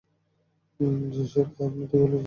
সেটা আপনি ঠিক বলেছেন।